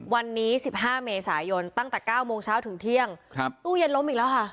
วันนี้๑๕เมษายนตั้งแต่๙โมงเช้าถึงเที่ยงตู้เย็นล้มอีกแล้วค่ะ